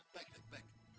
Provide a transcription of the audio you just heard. baik baik baik